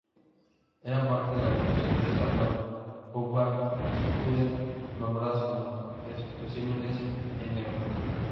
Eran parte de la colección de Samuel Hubbard Scudder nombradas como especímenes "No.